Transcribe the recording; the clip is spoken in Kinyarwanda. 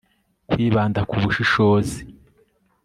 Kwibanda kubushishozi